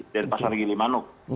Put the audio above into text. dari pasar gilimanuk